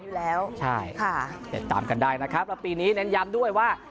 อยู่แล้วใช่ค่ะติดตามกันได้นะครับแล้วปีนี้เน้นย้ำด้วยว่า